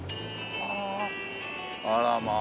あらまあ。